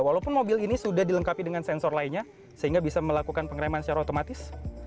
walaupun mobil ini sudah dilengkapi dengan sensor lainnya sehingga bisa melakukan pengereman secara otomatis